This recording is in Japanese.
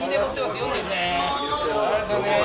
すごい。